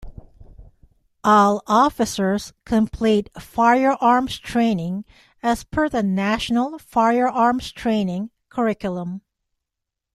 All officers complete firearms training as per the National Firearms Training Curriculum.